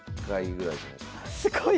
すごい！